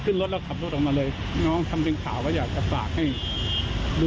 เพราะข่าวมันมีเยอะเยอะเลย